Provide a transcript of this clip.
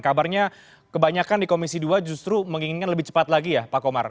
kabarnya kebanyakan di komisi dua justru menginginkan lebih cepat lagi ya pak komar